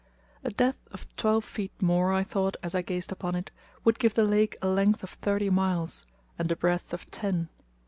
A depth of twelve feet more, I thought, as I gazed upon it, would give the lake a length of thirty miles, and a breadth of ten.